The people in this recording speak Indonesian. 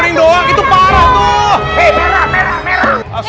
itu parah tuh